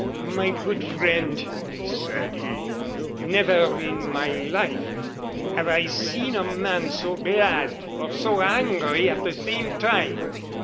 "My good friend," said he, "never in my life have I seen a man so glad or so angry at the same time.